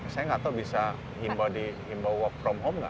saya nggak tahu bisa himbau di himbau work from home nggak